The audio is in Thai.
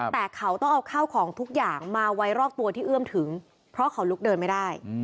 แต่เขาต้องเอาข้าวของทุกอย่างมาไว้รอบตัวที่เอื้อมถึงเพราะเขาลุกเดินไม่ได้